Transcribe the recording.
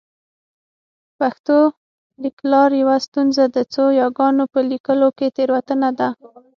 پښتو لیکلار یوه ستونزه د څو یاګانو په لیکلو کې تېروتنه ده